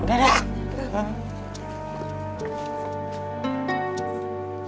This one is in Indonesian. masih berdiri aja disini